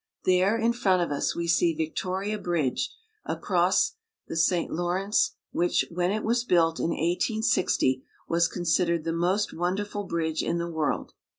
There, in front of us, we see Victoria Bridge across the St. Law Victoria Bridge. rence, which, when it was built in i860, was considered the most wonderful bridge in the world.